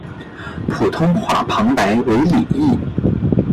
普通话旁白为李易。